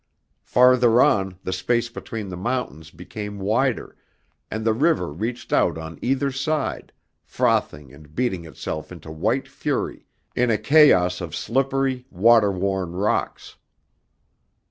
Farther on the space between the mountains became wider, and the river reached out on either side, frothing and beating itself into white fury in a chaos of slippery water worn rocks.